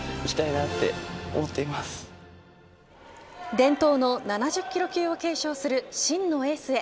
伝統の７０キロ級を継承する真のエースへ。